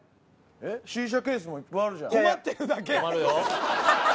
シーシャケースもいっぱいあるじゃん